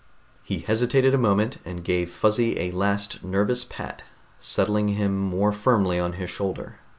He hesitated a moment, and gave Fuzzy a last nervous pat, settling him more firmly on his shoulder.